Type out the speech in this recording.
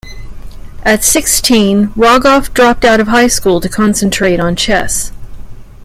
At sixteen Rogoff dropped out of high school to concentrate on chess.